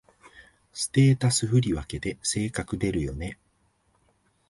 ステータス振り分けで性格出るよね